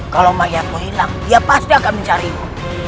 kalau mayaku hilang dia pasti akan mencarimu